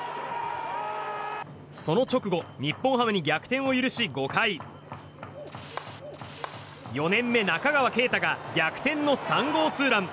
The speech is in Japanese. その直後、日本ハムに逆転を許し５回、４年目の中川圭太が逆転の３号ツーラン。